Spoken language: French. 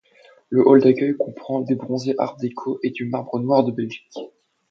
Le hall d'accueil comprend des bronzes Art déco et du marbre noir de Belgique.